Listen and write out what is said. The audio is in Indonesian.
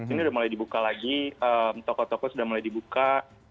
ini sudah mulai dibuka lagi toko toko sudah mulai dibuka